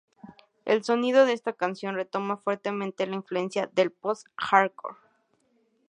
El sonido de esta canción retoma fuertemente la influencia del "post-hardcore".